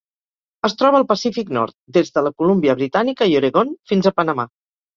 Es troba al Pacífic nord: des de la Colúmbia Britànica i Oregon fins a Panamà.